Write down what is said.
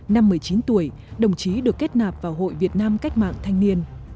năm một mươi chín tuổi đồng chí được kết nạp vào hội việt nam cách mạng thanh niên